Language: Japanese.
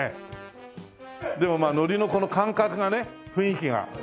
でも海苔のこの感覚がね雰囲気が。